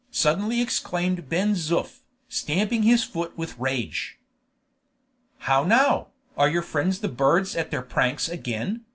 suddenly exclaimed Ben Zoof, stamping his foot with rage. "How now? Are your friends the birds at their pranks again?"